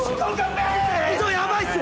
部長やばいっす！